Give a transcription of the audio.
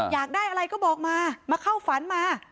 อยากได้อะไรก็บอกมามาเข้าฝันมา